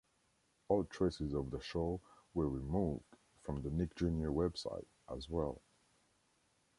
All traces of the show were removed from the Nick Junior website, as well.